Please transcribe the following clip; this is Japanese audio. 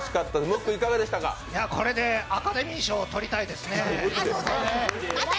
これでアカデミー賞をとりたいですね。